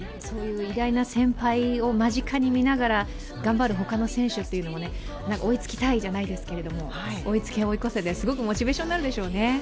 そういう偉大な先輩を間近にみながら頑張る他の選手も追いつきたいじゃないですけれども、追いつけ追い越せですごくモチベーションになるでしょうね。